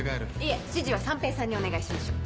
いえ指示は三瓶さんにお願いしましょう。